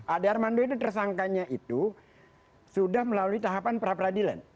ade armando ini tersangkanya itu sudah melalui tahapan pra peradilan